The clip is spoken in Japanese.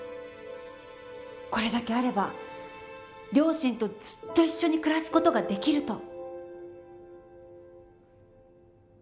これだけあれば両親とずっと一緒に暮らす事ができると。